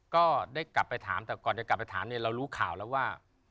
ก็ได้กลับไปถามแต่ก่อนจะกลับไปถามเนี่ยเรารู้ข่าวแล้วว่า